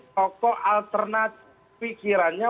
toko alternatif pikirannya